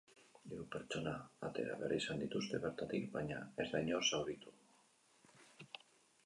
Hiru pertsona atera behar izan dituzte bertatik, baina ez da inor zauritu.